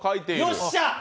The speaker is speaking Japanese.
よっしゃー！